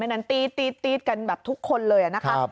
อันนั้นตีดกันแบบทุกคนเลย